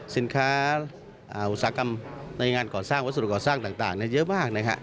สินค้าอุตสาหกรรมในงานก่อสร้างวัสดุก่อสร้างต่างเยอะมากนะครับ